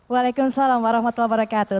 waalaikumsalam warahmatullahi wabarakatuh